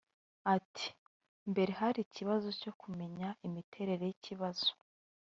Ati "Mbere hari ikibazo cyo kumenya imiterere y’ ikibazo